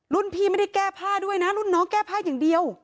พี่ไม่ได้แก้ผ้าด้วยนะรุ่นน้องแก้ผ้าอย่างเดียว